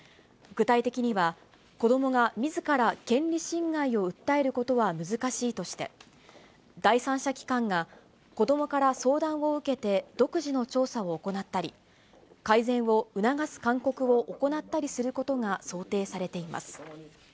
具体的には、子どもがみずから権利侵害を訴えることは難しいとして、第三者機関が子どもから相談を受けて独自の調査を行ったり、改善を促す勧告を行ったりすることが想定されています。